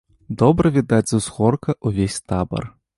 Добра відаць з узгорка ўвесь табар.